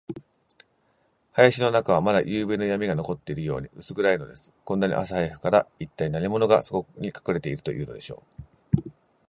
林の中は、まだゆうべのやみが残っているように、うす暗いのです。こんなに朝早くから、いったい何者が、そこにかくれているというのでしょう。